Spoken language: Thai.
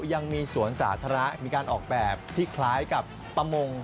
ยังมีสวนสาธารณะมีการออกแบบที่คล้ายกับประมง